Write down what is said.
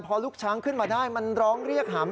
พอลูกช้างขึ้นมาได้